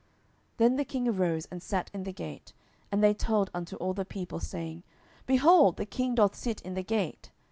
10:019:008 Then the king arose, and sat in the gate. And they told unto all the people, saying, Behold, the king doth sit in the gate.